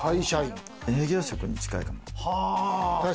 営業職に近いかも。